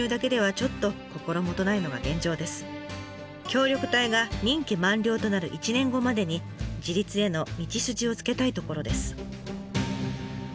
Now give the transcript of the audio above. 協力隊が任期満了となる１年後までに自立への道筋をつけたいところです。